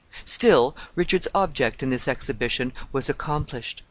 ] Still, Richard's object in this exhibition was accomplished.